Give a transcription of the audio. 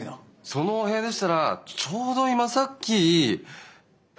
そのお部屋でしたらちょうど今さっき。